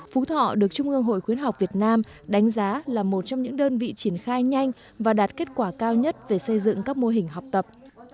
phú thọ được trung ương hội khuyến học việt nam đánh giá là một trong những đơn vị triển khai nhanh và đạt kết quả cao nhất về xây dựng các mô hình học tập